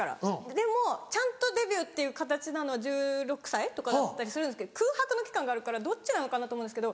でもちゃんとデビューっていう形なのは１６歳とかだったりするんですけど空白の期間があるからどっちなのかなと思うんですけど。